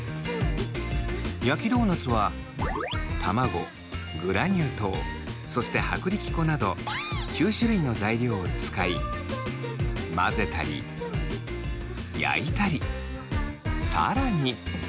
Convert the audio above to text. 焼きドーナツは卵グラニュー糖そして薄力粉など９種類の材料を使い混ぜたり焼いたり更に。